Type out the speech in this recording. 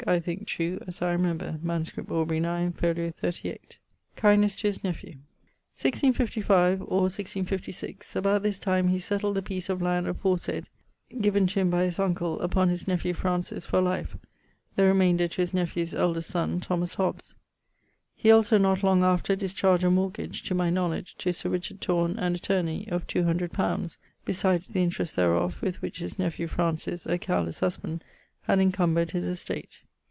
I thinke true as I remember. MS. Aubr. 9, fol. 38ᵛ. <_Kindness to his nephew._> 1655 or 1656: about this time he setled the piece of land (aforesayd), given to him by his uncle, upon his nephew Francis[CIX.] for life, the remaynder to his nephew's eldest son, Thomas Hobbes. He also not long after dischardged a mortgage (to my knowledge[CX.], to Richard Thorne, an attorney) of two hundred pounds, besides the interest thereof, with which his nephew Francis (a careles husband) had incumbred his estate.